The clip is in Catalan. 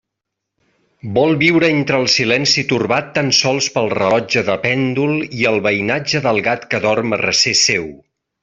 Vol viure entre el silenci torbat tan sols pel rellotge de pèndol i el veïnatge del gat que dorm a recer seu.